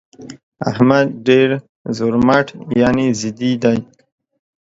احمد ډېر زورمټ يانې ضدي دى.